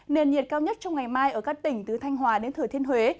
nền nhiệt cao nhất trong ngày mai ở các tỉnh từ thanh hòa đến thừa thiên huế